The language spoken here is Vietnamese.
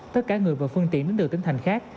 tất cả người và phương tiện đến từ tỉnh thành khác